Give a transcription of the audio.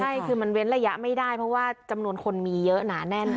ใช่คือมันเว้นระยะไม่ได้เพราะว่าจำนวนคนมีเยอะหนาแน่น